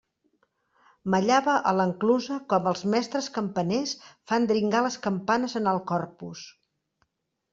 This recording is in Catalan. Mallava a l'enclusa com els mestres campaners fan dringar les campanes en el Corpus.